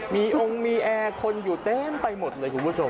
มีองค์มีแอร์คนอยู่เต็มไปหมดเลยคุณผู้ชม